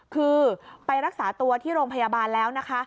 คือไปรักษาตัวที่โรงพยาบาลแล้วนะคะ